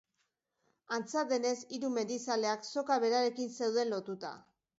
Antza denez, hiru mendizaleak soka berarekin zeuden lotuta.